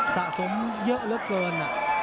สะสมเยอะเยอะเกิน